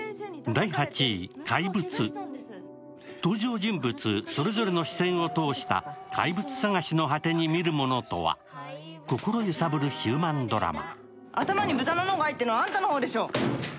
登場人物それぞれの視線を通した怪物探しの果てに見るものとは心揺さぶるヒューマンドラマ。